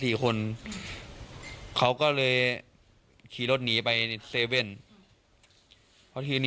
พี่เขาลงมาจากรถ